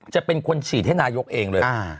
จะเป็นคนฉีดให้นายกเองเลย